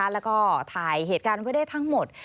แล้วก็ถ่ายเหตุการณ์ไว้ได้ทั้งหมด